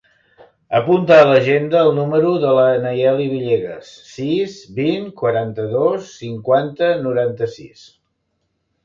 Apunta a l'agenda el número de la Nayeli Villegas: sis, vint, quaranta-dos, cinquanta, noranta-sis.